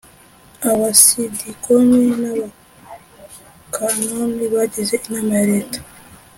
Abacidikoni n Abakanoni bagize Inama ya leta